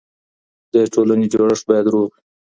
د ټولني جوړښت بايد روغ وي.